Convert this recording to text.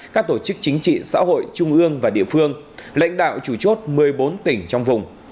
các tổ chức chính trị xã hội trung ương và địa phương lãnh đạo chủ chốt một mươi bốn tỉnh trong vùng